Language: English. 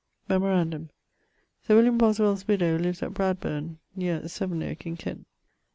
Memorandum: Sir William Boswell's widowe lives at Bradburne, neer Swynoke, in Kent.